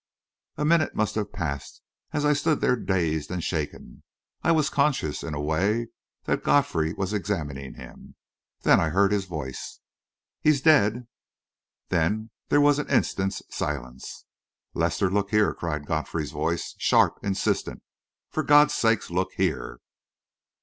A minute must have passed as I stood there dazed and shaken. I was conscious, in a way, that Godfrey was examining him. Then I heard his voice. "He's dead," he said. Then there was an instant's silence. "Lester, look here!" cried Godfrey's voice, sharp, insistent. "For God's sake, look here!"